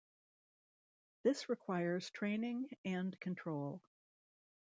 This requires training and control.